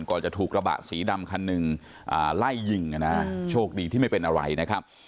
จะถูกกระบะสีดำคันหนึ่งไล่ยิงโชคดีที่ไม่เป็นอะไรนะครับ